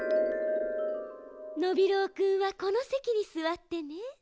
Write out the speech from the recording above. ノビローくんはこのせきにすわってね。